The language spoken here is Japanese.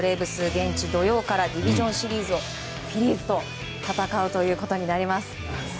現地土曜からディビジョンシリーズをフィリーズと戦うことになります。